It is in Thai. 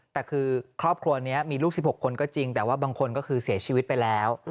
แต่คือครอบครัวนี้มีลูก๑๖คนก็จริงแต่ว่าบางคนก็คือเสียชีวิตไปแล้ว